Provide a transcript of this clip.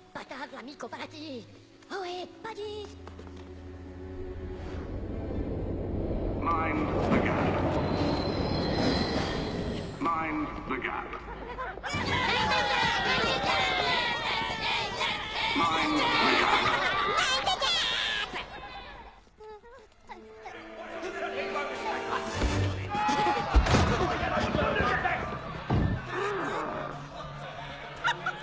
・アハハハ！